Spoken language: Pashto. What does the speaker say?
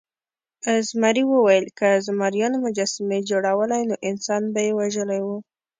زمري وویل که زمریانو مجسمې جوړولی نو انسان به یې وژلی و.